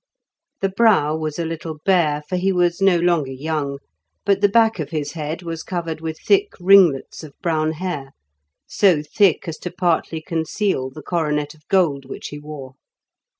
The brow was a little bare, for he was no longer young, but the back of his head was covered with thick ringlets of brown hair, so thick as to partly conceal the coronet of gold which he wore.